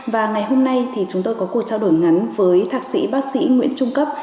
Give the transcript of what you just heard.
và ngày hôm nay thì chúng tôi có cuộc trao đổi ngắn với thạc sĩ bác sĩ nguyễn trung cấp